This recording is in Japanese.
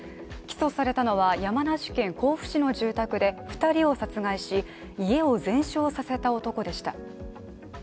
起訴されたのは山梨県甲府市の住宅で２人を殺害し、家を全焼させた男でした。